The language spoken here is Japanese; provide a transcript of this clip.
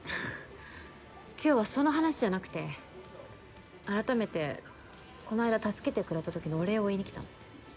今日はその話じゃなくて改めてこの間助けてくれた時のお礼を言いにきたの。